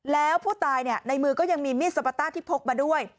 แล้วผู้ตายในมือก็ยังมีมีดสปาต้าที่พกมาด้วย